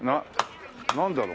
なんだろう